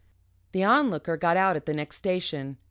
The Onlooker got out at the next station.